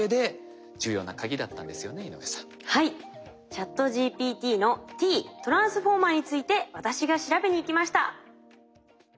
ＣｈａｔＧＰＴの「Ｔ」Ｔｒａｎｓｆｏｒｍｅｒについて私が調べに行きました。